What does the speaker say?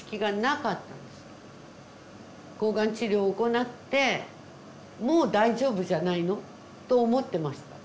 抗がん治療行って「もう大丈夫じゃないの？」と思ってました。